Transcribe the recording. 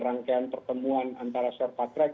rangkaian pertemuan antara sir patrick